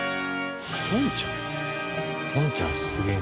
「とんちゃん」？